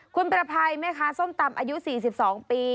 คุณประภัยแม่ค้าส้มตำอายุ๔๒ปี